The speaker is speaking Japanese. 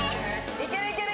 いけるいける。